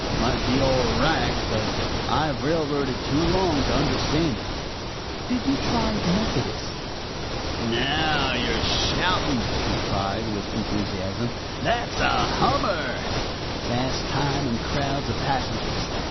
Might be all right, but I've railroaded too long to understand it." "Did you try the Methodist?" "Now you're shoutin'!" he cried with enthusiasm; "that's the hummer! Fast time and crowds of passengers!